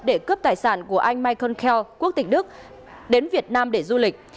để cướp tài sản của anh michael keo quốc tịch đức đến việt nam để du lịch